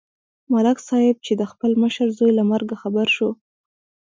ملک صاحب چې د خپل مشر زوی له مرګه خبر شو